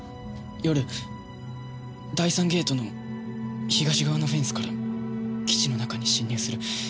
夜第３ゲートの東側のフェンスから基地の中に侵入する。